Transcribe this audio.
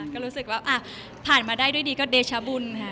ก็รู้สึกว่าผ่านมาได้ด้วยดีก็เดชบุญค่ะ